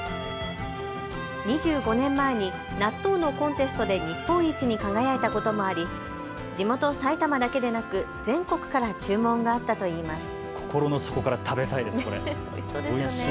２５年前に納豆のコンテストで日本一に輝いたこともあり地元埼玉だけでなく全国から注文があったといいます。